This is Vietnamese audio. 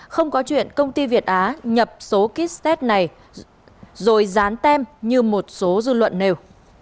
không có chuyện công ty việt á nhập số kit test này rồi dán tem như một số dư luận nêu